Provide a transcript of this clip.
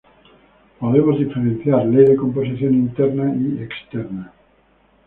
Podemos diferenciar ley de composición interna y externa.